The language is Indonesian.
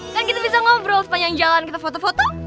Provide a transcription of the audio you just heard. kan kita bisa ngobrol sepanjang jalan kita foto foto